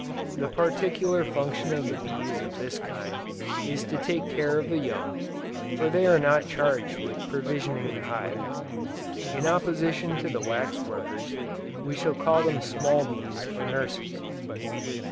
The particular function of the bees of this kind is to take care of the young, for they are not charged with provisioning the hive. In opposition to the wax workers, we shall call them small bees or nurses."